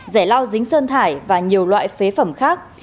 dẻ lau dính sơn thải và nhiều loại phế phẩm khác